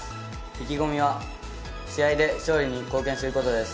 意気込みは試合で勝利に貢献することです。